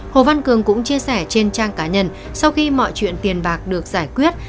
hồ văn cường cũng chia sẻ trên trang cá nhân sau khi mọi chuyện tiền bạc được giải quyết